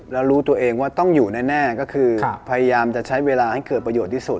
แล้วรู้ตัวเองว่าต้องอยู่แน่ก็คือพยายามจะใช้เวลาให้เกิดประโยชน์ที่สุด